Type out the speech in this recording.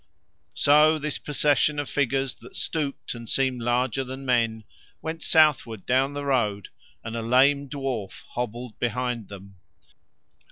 So this procession of figures that stooped and seemed larger than men went southward down the road and a lame dwarf hobbled behind them.